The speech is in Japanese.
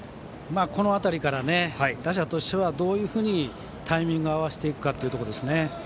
この辺りから打者としてはどういうふうにタイミングを合わせていくかですね。